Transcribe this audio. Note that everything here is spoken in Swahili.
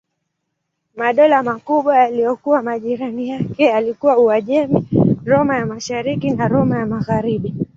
Madola makubwa yaliyokuwa majirani yake yalikuwa Uajemi, Roma ya Mashariki na Roma ya Magharibi.